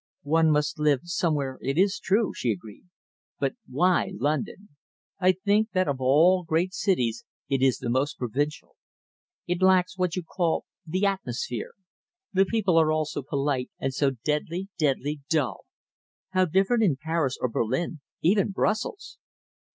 "One must live somewhere, it is true," she agreed, "but why London? I think that of all great cities it is the most provincial. It lacks what you call the atmosphere. The people are all so polite, and so deadly, deadly dull. How different in Paris or Berlin, even Brussels!"